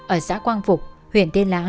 ở xã quang phục huyện tiên lã